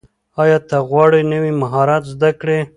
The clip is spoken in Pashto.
ایا ته غواړې نوي مهارت زده کړې؟